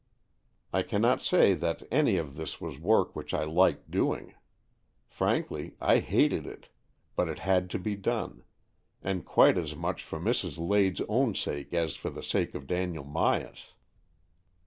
I cannot say that any of this was work which I liked doing. Frankly, I hated it, but it had to be done, and quite as much for Mrs. Lade's own sake as for the sake of Daniel Myas.